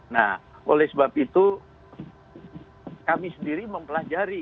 nah oleh sebab itu kami sendiri mempelajari